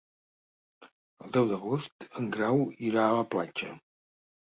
El deu d'agost en Grau irà a la platja.